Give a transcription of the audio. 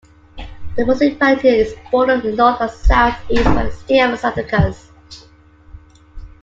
The municipality is bordered on the north and southeast by the state of Zacatecas.